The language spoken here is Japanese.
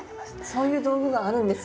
そういう道具があるんですね。